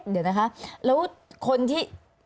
เดี๋ยวนะคะแล้วคนที่